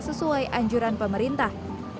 sesuai anjuran pemerintah